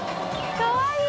かわいい？